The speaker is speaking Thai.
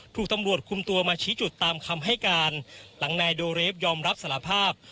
ถูกตำรวจคุมตัวมาชี้จุดตามคำให้การหลังนายโดเรฟยอมรับสารภาพ